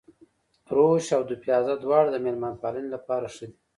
روش او دوپيازه دواړه د مېلمه پالنې لپاره ښه دي.